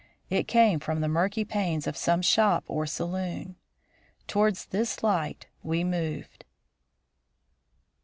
It came from the murky panes of some shop or saloon. Towards this light we moved.